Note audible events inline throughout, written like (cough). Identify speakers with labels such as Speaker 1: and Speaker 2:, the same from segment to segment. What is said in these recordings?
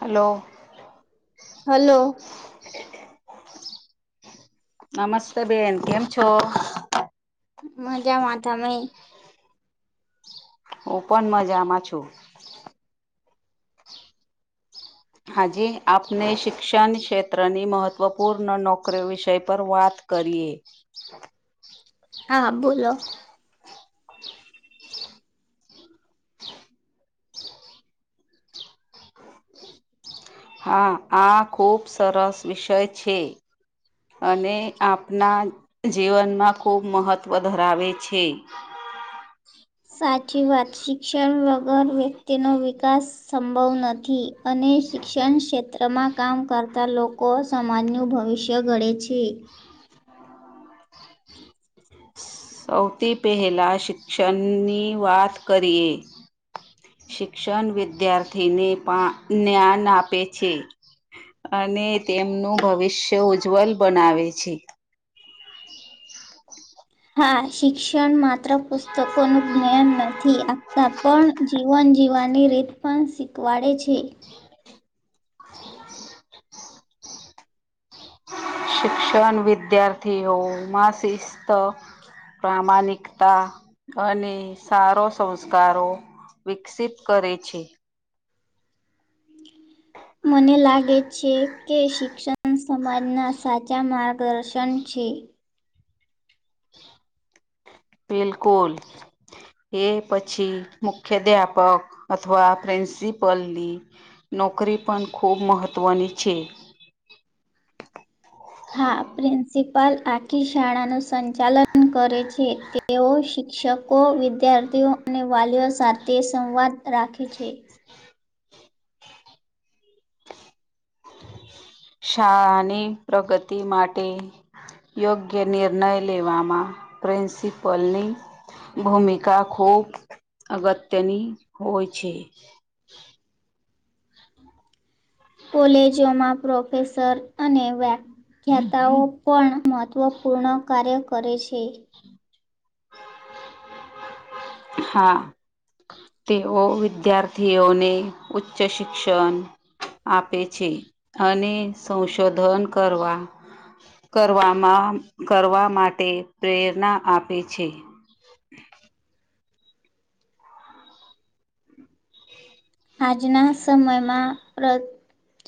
Speaker 1: Hello
Speaker 2: hello
Speaker 1: નમસ્તે બેન કેમ છો
Speaker 2: મજા મા તમે
Speaker 1: હુ પણન મજામાં છું હાજી આપને શિક્ષણ ક્ષેત્રની મહત્ત્વપૂર્ણ નોકરીઓ વિષય પર વાત કરીએ
Speaker 2: હા બોલો
Speaker 1: હા આ ખૂબ સરસ વિષય છે અને આપના જીવનમાં ખૂબ મહત્ત્વ ધરાવે છે
Speaker 2: સાચી વાત શિક્ષણ વગર વ્યક્તિનો વિકાસ સંભવ નથી અને શિક્ષણ ક્ષેત્રમાં કામ કરતા લોકો સમાજનું ભવિષ્ય ઘડે છે
Speaker 1: સૌથી પહેલાં શિક્ષણની વાત કરીએ શિક્ષણ વિદ્યાર્થીને પા જ્ઞાન આપે છે અને તેમનું ભવિષ્ય ઉજ્જવલ બનાવે છે
Speaker 2: હા શિક્ષણ માત્ર પુસ્તકોનું જ્ઞાન નથી આપતા પણ જીવન જીવવાની રીત પણ શીખવાડે છે
Speaker 1: શિક્ષણ વિદ્યાર્થીઓમાં શિસ્ત પ્રમાણિકતા અને સારો સંસ્કારો વિકસિત કરે છે.
Speaker 2: મને લાગે છે કે શિક્ષણ સમાજના સાચા માર્ગદર્શન છે.
Speaker 1: બિલકુલ એ પછી મુખ્યાધ્યાપક અથવા પ્રિન્સિપલની નોકરી પણ ખૂબ મહત્ત્વની છે
Speaker 2: હા પ્રિન્સપ પાલ આખી શાળા નું સંચાલન કરે છે તેઓ શિક્ષકો વિદ્યાર્થીઓ અને વાલીઓ સાથે સંવાદ રાખે છે
Speaker 1: શાળાની પ્રગતિ માટે યોગ્ય નિર્ણય લેવામાં પ્રિન્સિપલની ભૂમિકા ખુબ અગત્યની હોય છે.
Speaker 2: કોલેજોમાં પ્રોફેસર અને વ્યાખ્યાતાઓ પણ મહત્ત્વપૂર્ણ કાર્ય કરે છે
Speaker 1: (inaudible) હા તેઓ વિદ્યાર્થીઓને ઉચ્ચ શિક્ષણ આપે છે અને સંશોધન કરવા કરવામાં કરવા માટે પ્રેરણા આપે છે.
Speaker 2: આજના સમયમાં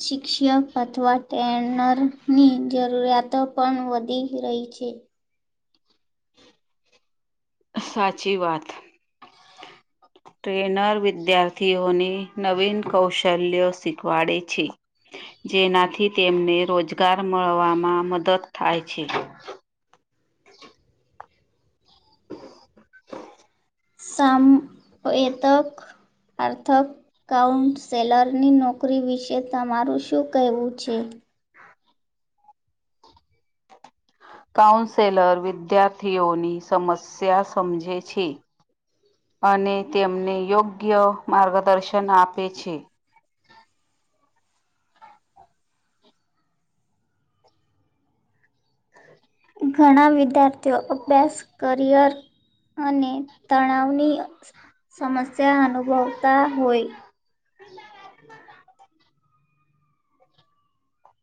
Speaker 2: શિક્ષક અથવા ટ્રેનરની જરૂરિયાતો પણ વધી રહી છે.
Speaker 1: સાચી વાત (unintelligible) ટ્રેનર વિદ્યાર્થીઓને નવીન કૌશલ્યો શીખવાડે છે. જેનાથી તેમને રોજગાર મળવામાં મદદ થાય છે.
Speaker 2: સમ એતક અર્થક કાઉન્ટસેલરની નોકરી વિશે તમારું શું કહેવું છે.
Speaker 1: કાઉન્સેલર વિદ્યાર્થીઓની સમસ્યા સમજે છે. અને તેમને યોગ્ય માર્ગદર્શન આપે છે.
Speaker 2: ઘણા વિદ્યાર્થીઓ અભ્યાસ કરિયર અને તણાવની સમસ્યા અનુભવતા હોય
Speaker 1: (unintelligible)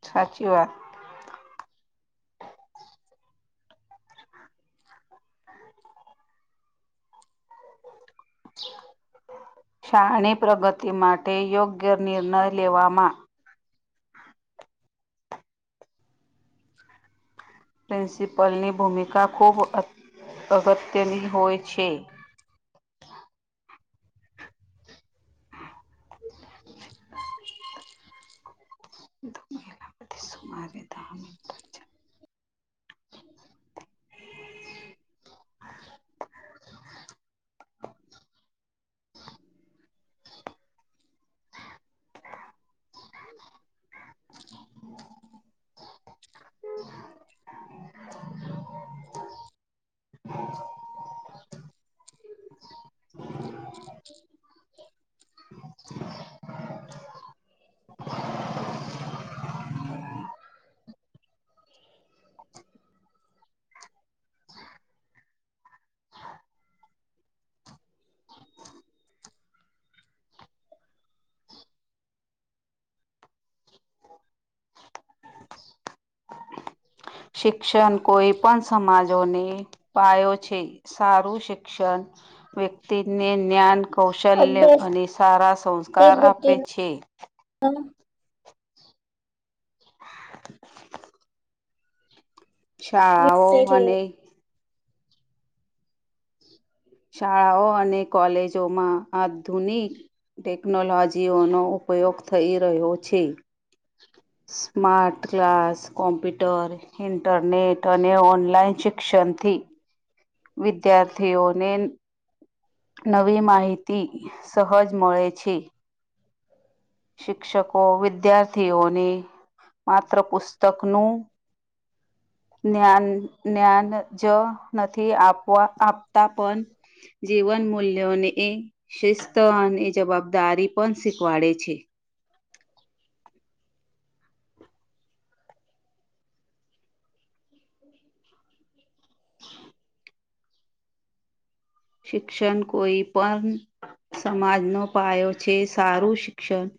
Speaker 1: સાચી વાત. (unintelligible) શાણી પ્રગતિ માટે યોગ્ય નિર્ણય લેવામાં પ્રિન્સિપલની ભૂમિકા ખૂબ અગત્યની હોય છે. (unintelligible) મહિલા સુમારે દ મ (inaudible) શિક્ષણ કોઈ પણ સમાજોને પાયો છે સારું શિક્ષણ વ્યક્તિને જ્ઞાન કૌશલ્ય
Speaker 2: અભ્યાસ
Speaker 1: અને સારા સંસ્કાર આપે છે.
Speaker 2: હલો (unintelligible)
Speaker 1: (inaudible) શાળાઓ
Speaker 2: વિષય છે.
Speaker 1: અને શાળાઓ અને કોલેજો માં આધુનિક ટેક્નોલોજીઓનો ઉપયોગ થઈ રહ્યો છે સ્માર્ટ ક્લાસ કોમ્પ્યુટર ઇન્ટરનેટ અને અને ઓનલાઇન શિક્ષણથી વિદ્યાર્થીઓને નવી માહિતી સહજ મળે છે‌ શિક્ષકો વિદ્યાર્થીઓને માત્ર પુસ્તક નું જ્ઞાન જ્ઞાન જ નથી આપવા આપતા પણ જીવન મૂલ્યોને એ શિસ્ત અને જવાબદારી પણ શીખવાડે છે
Speaker 2: હ (inaudible)
Speaker 1: શિક્ષણ કોઈ પણ સમાજનો પાયો છે સારું શિક્ષણ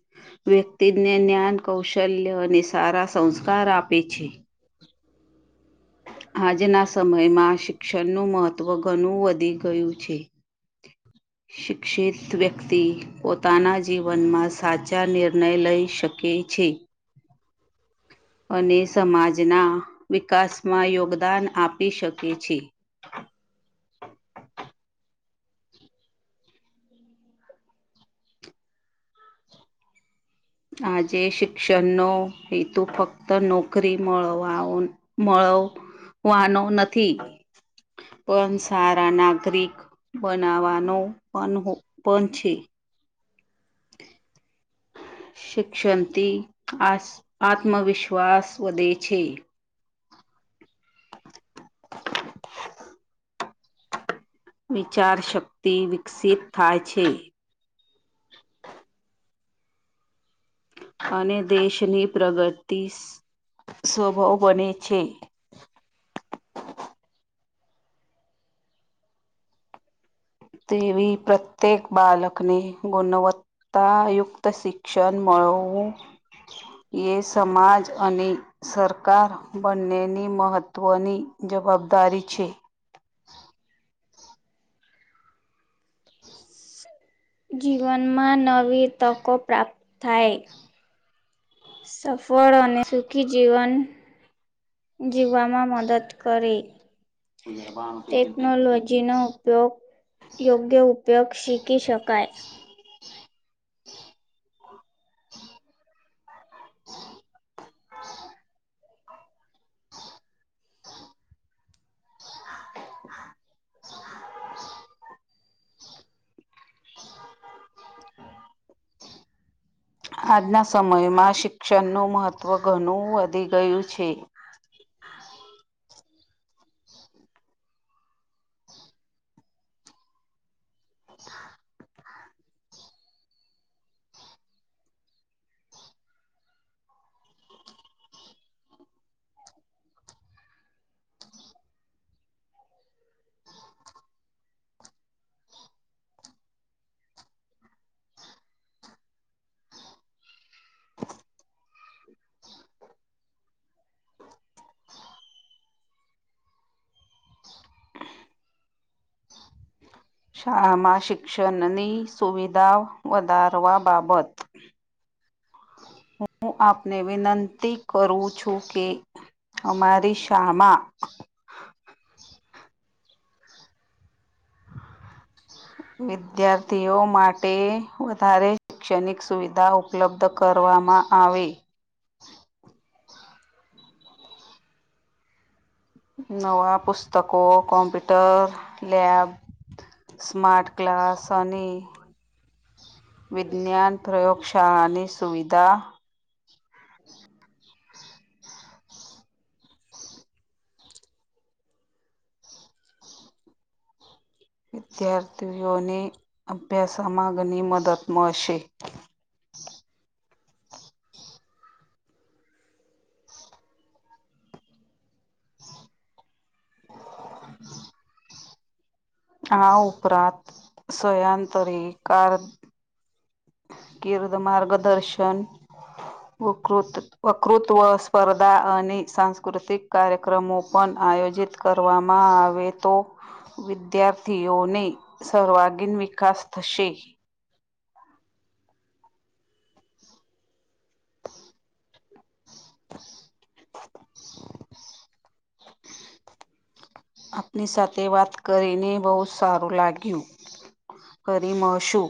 Speaker 1: વ્યક્તિને જ્ઞાન કૌશલ્ય અને સારા સંસ્કાર આપે છે.
Speaker 2: હ (inaudible)
Speaker 1: આજના સમયમાં શિક્ષણનું મહત્વ ઘણું વધી ગયું છે. શિક્ષિત વ્યક્તિ પોતાના જીવનમાં સાચા નિર્ણય લઈ શકે છે અને સમાજના વિકાસમાં યોગદાન આપી શકે છે આજે શિક્ષણનો હેતુ ફક્ત નોકરી મળવા મળવાનો નથી પણ સારા ના નાગરિક બનાવાનો પણ પણ છે શિક્ષણ આસ આત્મવિશ્વાસ વધે છે. વિચારશક્તિ વિકસિત થાય છે અને દેશની પ્રગતિ સ્વભાવ બને છે તેવી પ્રત્યેક બાલકને ગુણવત્તા ત્તાયુક્ત શિક્ષણ મળવું એ સમાજ અને સરકાર બંનેની મહત્ત્વની જવાબદારી છે.
Speaker 2: જીવનમાં નવી તકો પ્રાપ્ત થાય સફળ અને સુખી જીવન જીવામાં મદદ કરે.
Speaker 1: જરાબ
Speaker 2: ટેકનોલોજીનો
Speaker 1: (unintelligible)
Speaker 2: ઉપયોગ યોગ્ય ઉપયોગ શીખી શકાય
Speaker 1: આજના સમયમાં શિક્ષણનું મહત્ત્વ ઘણું વધી ગયું છે. (inaudible) (inaudible) શાળામાં શિક્ષણની સુવિધા વધારવા બાબત હું આપને વિનંતી કરું છું કે અમારી શાળામાં વિદ્યાર્થીઓ માટે વધારે શૈક્ષણિક સુવિધા ઉપલબ્ધ કરવામાં આવે નવા પુસ્તકો કોમ્પ્યુટર લેબ સ્માર્ટ ક્લાસ અને વિજ્ઞાન પ્રયોગશાળાની સુવિધા
Speaker 2: (inaudible)
Speaker 1: વિદ્યાર્થીઓને અભ્યાસમાં ઘણી મદદ મળશે. (inaudible) આ ઉપરાંત સયાંતરી કાર ગીરદ માર્ગદર્શન વકૃત્વ વકૃત્વ સ્પર્ધા અને સાંસ્કૃતિક કાર્યક્રમો પણ આયોજિત કરવામાં આવે તો વિદ્યાર્થીઓને સર્વાગીન વિકાસ થશે. (inaudible) (inaudible) આપની સાથે વાત કરીને બહુ સારું લાગ્યું. ફરી મળશું.